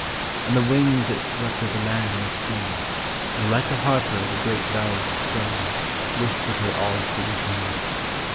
And the winds that swept over land and sea, And like a harper the great boughs strung, Whispered her all things new.